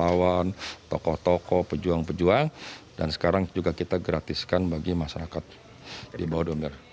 relawan tokoh tokoh pejuang pejuang dan sekarang juga kita gratiskan bagi masyarakat di bawah domes